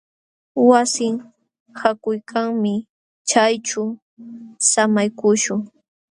Wasin haakuykanmi. Chayćhu samaykuśhun.